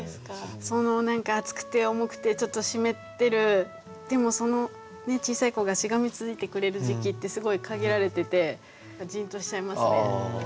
その何か熱くて重くてちょっと湿ってるでもその小さい子がしがみついてくれる時期ってすごい限られててじんとしちゃいますね。